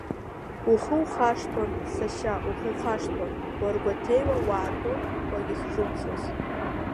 Ухы ухашҭуан, сашьа, ухы ухашҭуан, уаргәаҭеиуа уаатәон уагьахьзымцоз.